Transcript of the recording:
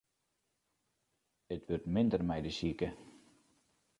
It wurdt minder mei de sike.